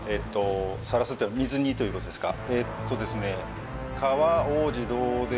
さらすっていうのは水にということですか？